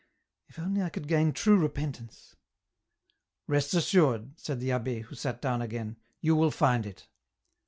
If only I could gain true repentance." " Rest assured," said the abb^, who sat down again, " you will find it."